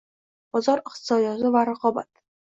Bozor iqtisodiyoti va raqobat